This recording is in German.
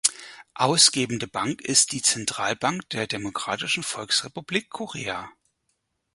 Ausgebende Bank ist die Zentralbank der Demokratischen Volksrepublik Korea.